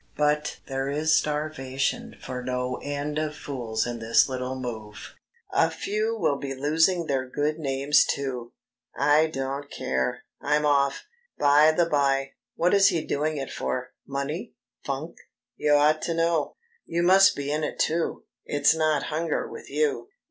"But there is starvation for no end of fools in this little move. A few will be losing their good names too.... I don't care, I'm off.... By the bye: What is he doing it for? Money? Funk? You ought to know. You must be in it too. It's not hunger with you.